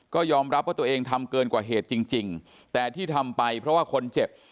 ก็ยอมรับว่าตัวเองทำเกินกว่าเหตุจริงแต่ที่ทำไปเพราะว่าคนเจ็บ